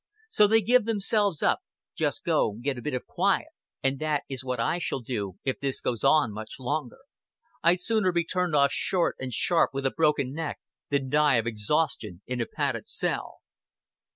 So they give themselves up just go get a bit o' quiet. And that is what I shall do, if this goes on much longer. I'd sooner be turned off short and sharp with a broken neck than die of exhaustion in a padded cell."